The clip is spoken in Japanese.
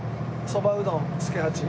「そばうどん助八」。